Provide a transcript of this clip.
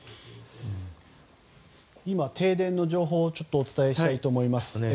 今、停電の情報をお伝えしたいと思います。